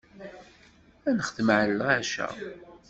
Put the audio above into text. Ad nexdem ɣer leɛca.